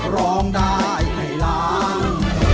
ร้องได้ให้ล้าน